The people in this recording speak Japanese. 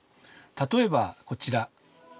例えばこちら。